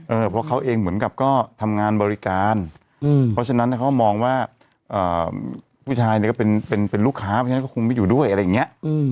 เพราะเขาเองเหมือนกับก็ทำงานบริการเพราะฉะนั้นเขามองว่าผู้ชายเนี่ยก็เป็นลูกค้าเพราะฉะนั้นก็คงไม่อยู่ด้วยอะไรอย่างนี้